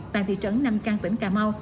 tại thị trấn nam cang tỉnh cà mau